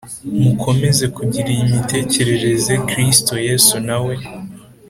Mukomeze kugira iyi mitekerereze Kristo Yesu na we